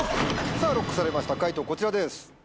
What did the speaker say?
さぁＬＯＣＫされました解答こちらです。